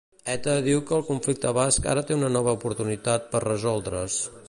ETA diu que el conflicte basc ara té una nova oportunitat per resoldre's.